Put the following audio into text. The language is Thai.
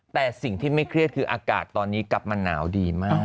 แต่สิ่งที่ไม่เครียดคืออากาศตอนนี้กลับมาหนาวดีมาก